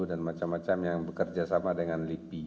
dan macam macam yang bekerja sama dengan lipi